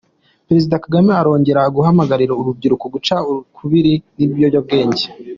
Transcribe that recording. Perezida Kagame arongera guhamagarira urubyiruko guca ukubiri n’ibiyobyabwenge